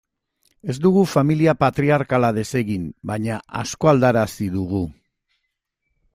Ez dugu familia patriarkala desegin, baina asko aldarazi dugu.